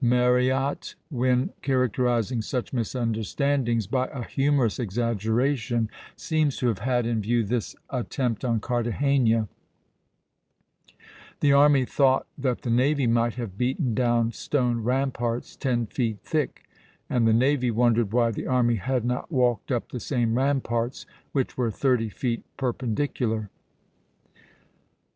Marryatt, when characterizing such misunderstandings by a humorous exaggeration, seems to have had in view this attempt on Cartagena: "The army thought that the navy might have beaten down stone ramparts ten feet thick; and the navy wondered why the army had not walked up the same ramparts, which were thirty feet perpendicular."